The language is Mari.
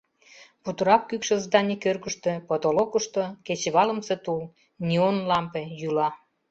Путырак кӱкшӧ зданий кӧргыштӧ, потолокышто, кечывалымсе тул — неон лампе — йӱла.